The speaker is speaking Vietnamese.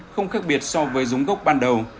không khác biệt so với dống gốc ban đầu